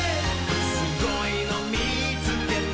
「すごいのみつけた」